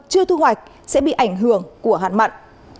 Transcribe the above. chưa thu hoạch sẽ bị ảnh hưởng của hạn mặn